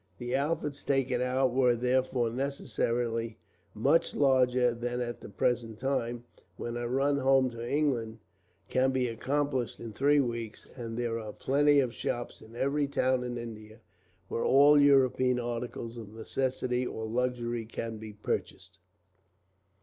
The outfits taken out were, therefore, necessarily much larger than at the present time, when a run home to England can be accomplished in three weeks, and there are plenty of shops, in every town in India, where all European articles of necessity or luxury can be purchased.